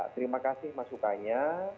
terima kasih masukannya